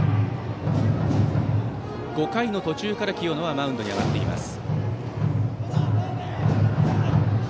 ５回の途中から清野はマウンドに上がっています。